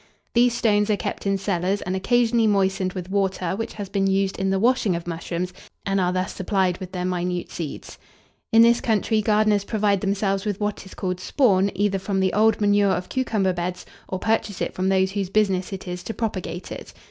These stones are kept in cellars, and occasionally moistened with water which has been used in the washing of mushrooms, and are thus supplied with their minute seeds. In this country, gardeners provide themselves with what is called spawn, either from the old manure of cucumber beds, or purchase it from those whose business it is to propagate it.